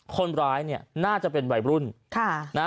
คนร้ายเนี่ยหน้าจะเป็นวัยรุ่น